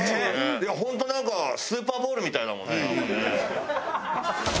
本当なんかスーパーボールみたいだもんねなんかね。